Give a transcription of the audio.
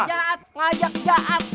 jahat ngajak jahat